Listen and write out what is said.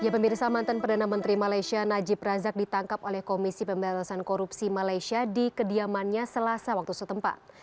pemirsa mantan perdana menteri malaysia najib razak ditangkap oleh komisi pemberantasan korupsi malaysia di kediamannya selasa waktu setempat